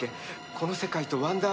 この世界とワンダー